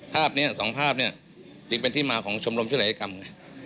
ภาพนี้สองภาพเนี่ยจึงเป็นที่มาของชมรมช่วยเหลือกรรมไง